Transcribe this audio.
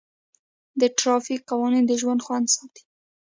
د ټرافیک قوانین د ژوند خوندي ساتي.